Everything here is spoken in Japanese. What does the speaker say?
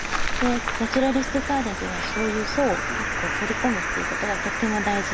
ナチュラリスティックガーデンっていうのはそういう層を取り込むっていうことがとっても大事になってきます。